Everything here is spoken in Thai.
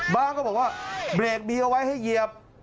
ก็บอกว่าเบรกบีเอาไว้ให้เหยียบ